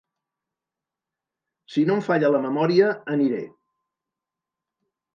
Si no em falla la memòria, aniré.